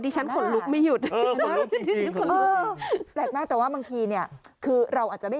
เจ้าโตโตชื่อโตโตนะ